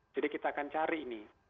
jadi kita akan cari ini